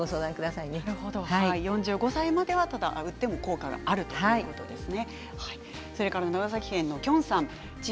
４５歳までは打っても効果があるということですね。